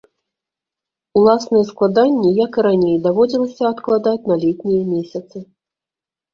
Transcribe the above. Уласныя складанні, як і раней, даводзілася адкладаць на летнія месяцы.